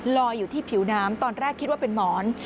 ลอยอยู่ที่ผิวน้ำตอนแรกคิดว่าเป็นหมอน